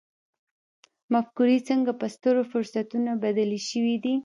مفکورې څنګه په سترو فرصتونو بدلې شوې دي.